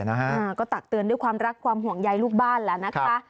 นะฮะก็ตักเตือนด้วยความรักความห่วงใยลูกบ้านแล้วนะคะ